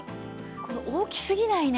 大きすぎないね